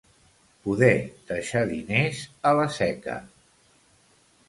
Poder deixar diners a la Seca.